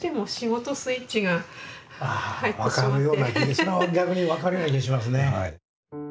それは逆に分かるような気がしますね。